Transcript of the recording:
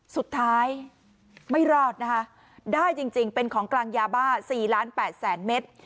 สุดท้ายไม่รอดนะคะได้จริงเป็นของกลางยาบ้า๔ล้าน๘แสนเมตร